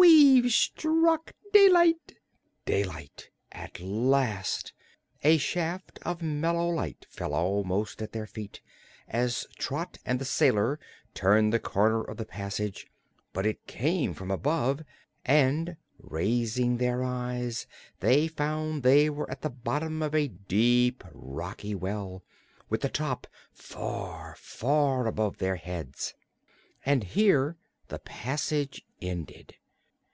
"We've struck daylight." Daylight at last! A shaft of mellow light fell almost at their feet as Trot and the sailor turned the corner of the passage, but it came from above, and raising their eyes they found they were at the bottom of a deep, rocky well, with the top far, far above their heads. And here the passage ended.